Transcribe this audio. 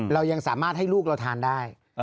เรายังสามารถให้ลูกเราทานได้